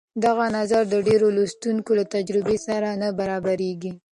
دغه نظر د ډېرو لوستونکو له تجربې سره نه برابرېږي.